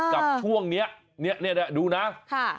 กับช่วงนี้นี่ดูนะค่ะ